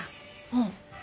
うん。